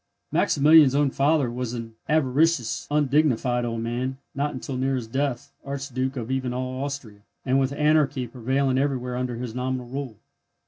Maximilian's own father was an avaricious, undignified old man, not until near his death Archduke of even all Austria, and with anarchy prevailing everywhere under his nominal rule.